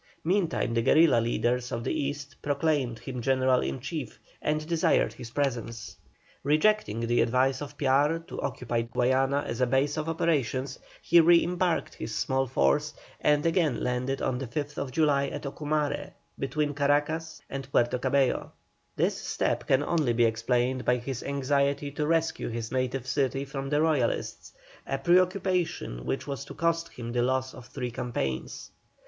Meantime the guerilla leaders of the East proclaimed him general in chief, and desired his presence. Rejecting the advice of Piar to occupy Guayana as a base of operations, he re embarked his small force, and again landed on the 5th July at Ocumare, between Caracas and Puerto Cabello. This step can only be explained by his anxiety to rescue his native city from the Royalists, a preoccupation which was to cost him the loss of three campaigns.